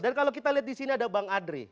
dan kalau kita lihat di sini ada bang adri